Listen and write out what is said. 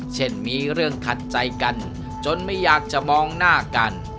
เช่นมีเรื่องขัดใจกันจนไม่อยากจะมองหน้ากัน